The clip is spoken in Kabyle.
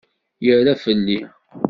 Yerra fell-i?